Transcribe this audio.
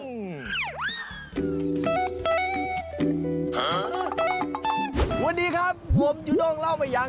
วันนี้ครับผมจุด้งเล่าไม่ยัง